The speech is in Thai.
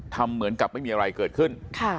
ทำเหมือนกับไม่มีอะไรเกิดขึ้น